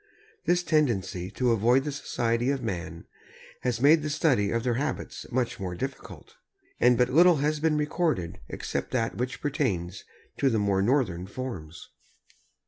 This tendency to avoid the society of man has made the study of their habits much more difficult, and but little has been recorded except that which pertains to the more northern forms.